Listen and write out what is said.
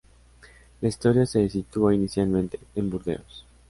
La historia se sitúa inicialmente en Burdeos.